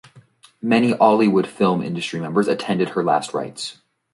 Many Ollywood film industry members attended her last rites.